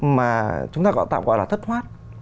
mà chúng ta tạo tạo gọi là thất thoát